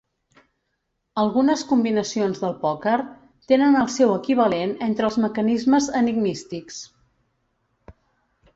Algunes combinacions del pòquer tenen el seu equivalent entre els mecanismes enigmístics.